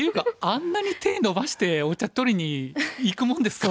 あんなに手伸ばしてお茶取りにいくもんですか。